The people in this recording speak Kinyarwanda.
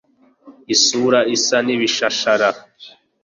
Isura isa nibishashara